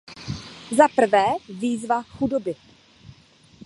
Za prvé, výzva chudoby.